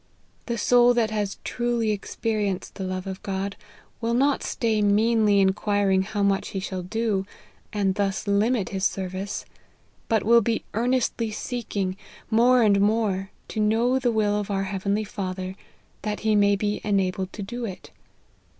The soul that has truly experienced the love of God, will not stay meanly inquiring how much he shall do, and thus limit his service ; but will be earnestly seeking, more and more, to know the will of our heavenly Father, that he may be enabled to do it.